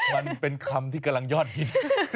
มันเป็นคำที่กำลังยอดฮิต